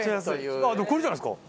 あっでもこれじゃないですか？